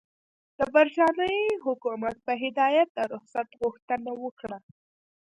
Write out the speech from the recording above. د برټانیې حکومت په هدایت د رخصت غوښتنه وکړه.